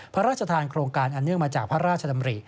พระราชทานโครงการอันเนื่องมาจากพระราชดำริ